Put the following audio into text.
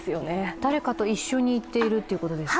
誰かと一緒に行っているということですか？